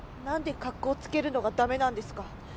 何で格好つけるのが駄目なんですか？